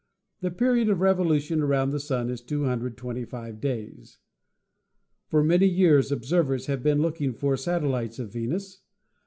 The period of revolution around the Sun is 225 days. For many years observers have been looking for satel lites of Venus.